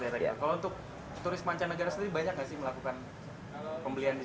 kalau untuk turis mancanegara sendiri banyak gak sih